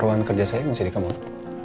ruangan kerja saya masih di kamar